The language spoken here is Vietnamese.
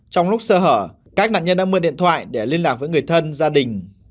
trong lúc sơ hở các nạn nhân đã mượn điện thoại để liên lạc với người thân gia đình